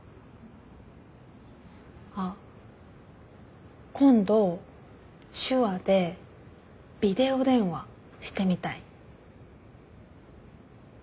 あっ今度手話でビデオ電話してみたい。